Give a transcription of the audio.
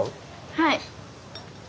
はい。